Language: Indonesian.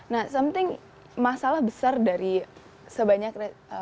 nah something masalah besar dari sebanyak